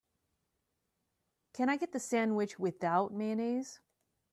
Can I get the sandwich without mayonnaise?